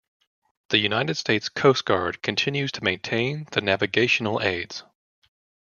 The United States Coast Guard continues to maintain the navigational aids.